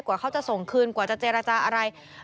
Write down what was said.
กว่าเขาจะส่งคืนกว่าจะเจรจาอะไร